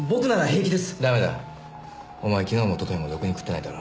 お前昨日も一昨日もろくに食ってないだろ。